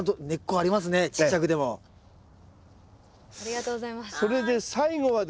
ありがとうございます。